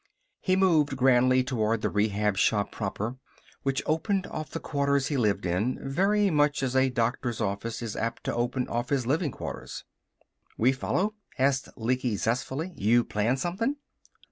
He moved grandly toward the Rehab Shop proper, which opened off the quarters he lived in very much as a doctor's office is apt to open off his living quarters. "We follow?" asked Lecky zestfully. "You plan something?"